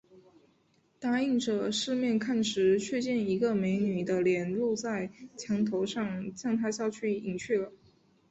答应着，四面看时，却见一个美女的脸露在墙头上，向他一笑，隐去了